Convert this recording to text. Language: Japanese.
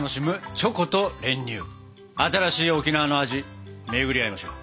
新しい沖縄の味巡り合いましょう。